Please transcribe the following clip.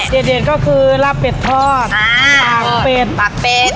เด็ดก็คือลาบเป็ดทอดปากเป็ดปากเป็ด